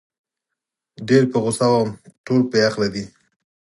ډېر په غوسه وم، ټول بې عقله دي.